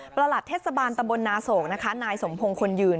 หลัดเทศบาลตำบลนาโศกนะคะนายสมพงศ์คนยืน